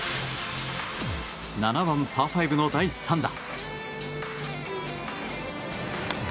７番、パー５の第３打。